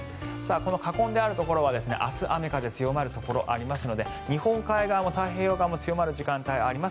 この囲んであるところは明日、雨風強まるところがありますので日本海側も太平洋側も強まる時間帯あります。